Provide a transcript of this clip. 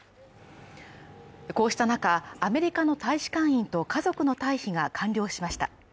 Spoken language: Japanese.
こうした中、アメリカの大使館員と家族の退避が完了しました。